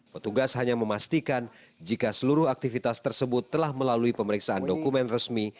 petugas hanya memastikan jika seluruh aktivitas tersebut telah melalui pemeriksaan dokumen resmi